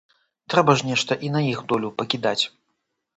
Трэба ж нешта і на іх долю пакідаць.